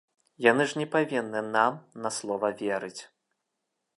Яны ж не павінны нам на слова верыць.